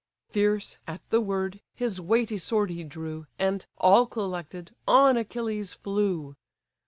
Fierce, at the word, his weighty sword he drew, And, all collected, on Achilles flew.